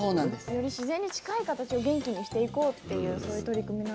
より自然に近い形を元気にしていこうっていうそういう取り組みなんですね。